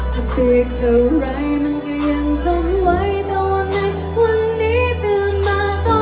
ฉันให้ไปด้วยไม่รู้ว่าเธอต้องเช็ด